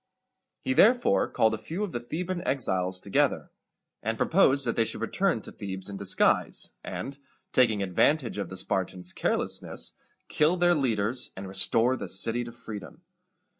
He therefore called a few of the Theban exiles together, and proposed that they should return to Thebes in disguise, and, taking advantage of the Spartans' carelessness, kill their leaders, and restore the city to freedom.